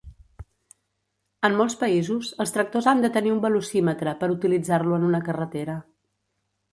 En molts països, els tractors han de tenir un velocímetre per utilitzar-lo en una carretera.